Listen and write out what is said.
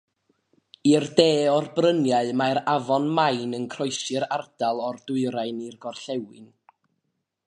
I'r de o'r bryniau mae'r afon Main yn croesi'r ardal o'r dwyrain i'r gorllewin.